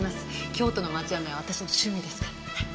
京都の街案内は私の趣味ですから。